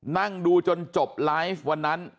นั่งดูจนจบไลฟ์วันนั้น